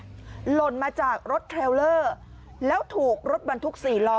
หล่นมาจากรถเทรลเลอร์แล้วถูกรถบรรทุก๔ล้อ